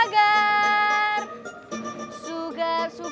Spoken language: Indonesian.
sugar sugar susu segar